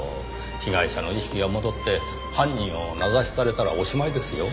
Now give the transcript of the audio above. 被害者の意識が戻って犯人を名指しされたらおしまいですよ。